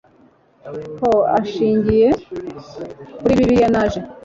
ho ashingiye kuri Bibiliya Naje